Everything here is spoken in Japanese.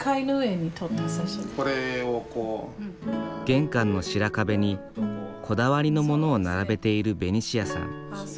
玄関の白壁にこだわりのものを並べているベニシアさん。